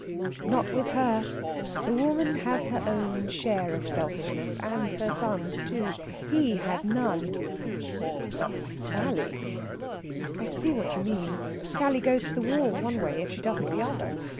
"Not with her. The woman has her own share of selfishness, and her son's, too. He has none." "But Sally." "I see what you mean. Sally goes to the wall one way if she doesn't the other.